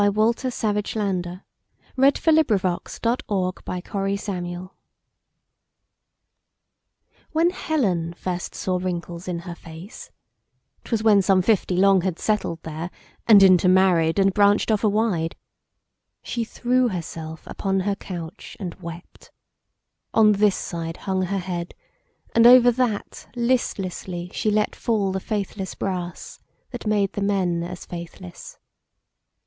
Walter Savage Landor 1775–1864 Wrinkles Landor W WHEN Helen first saw wrinkles in her face('T was when some fifty long had settled thereAnd intermarried and branch'd off awide)She threw herself upon her couch and wept:On this side hung her head, and over thatListlessly she let fall the faithless brassThat made the men as faithless.